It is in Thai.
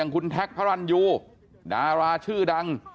คุณแท็กพระรันยูดาราชื่อดัง